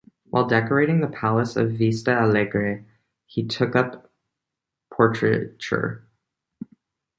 While decorating the palace of Vista Alegre he took up portraiture.